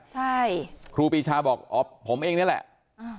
ใช่ครูปีชาบอกอ๋อผมเองนี่แหละ